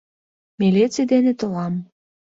— Милиций дене толам.